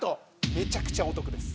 めちゃくちゃお得です。